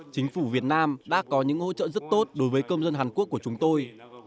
chính phủ việt nam đã có những hỗ trợ rất tốt đối với công dân hàn quốc của chúng tôi